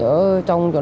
ở trong chỗ này